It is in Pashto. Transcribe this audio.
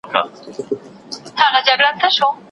د پاولیو شرنګهار سي لا به ښه سي